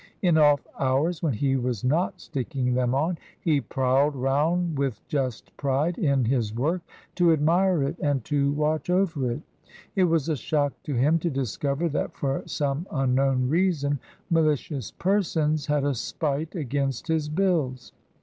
In off hours, when he was not sticking them on, he prowled round with just pride in his work, to admire it and to watch over it. It was a shock to him to discover that for some unknown reason malicious persons had a spite against his bills.